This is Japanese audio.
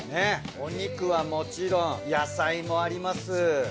お肉はもちろん野菜もあります。